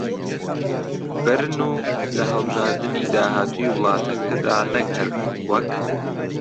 بەرن و لە هەڵبژاردنی داهاتووی وڵاتەکەدا نەک هەر وەک